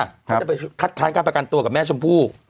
เขาจะไปคัดค้านการประกันตัวกับแม่ชมพู่